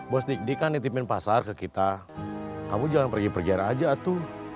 bos dik dik kan nitipin pasar ke kita kamu jangan pergi pergiara aja atu